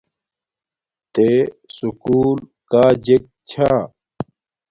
تے سکُول کاجک چھا